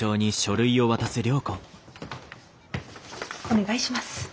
お願いします。